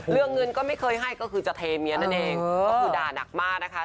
เรื่องเงินก็ไม่เคยให้ก็คือจะเทเมียนั่นเองก็คือด่านักมากนะคะ